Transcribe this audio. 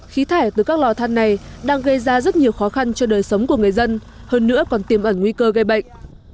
khí thải từ các lò than này đang gây ra rất nhiều khó khăn cho đời sống của người dân hơn nữa còn tiêm ẩn nguy cơ gây bệnh